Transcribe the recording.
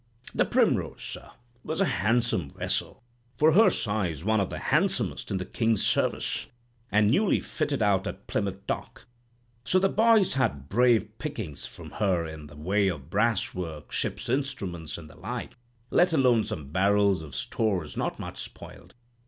"The 'Primrose,' sir, was a handsome vessel—for her size one of the handsomest in the King's service'—and newly fitted out at Plymouth Dock. So the boys had brave pickings from her in the way of brass work, ship's instruments, and the like, let alone some barrels of stores not much spoiled.